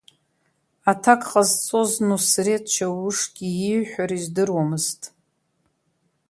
Аҭак ҟазҵоз Нусреҭ Чаушгьы ииҳәара издыруамызт.